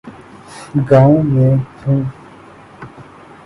گاؤں میں ہوں۔